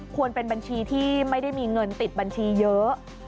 เป็นบัญชีที่ไม่ได้มีเงินติดบัญชีเยอะ